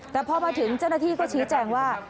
แต่พอมาถึงจนทีก็ฉีดแจ่งว่า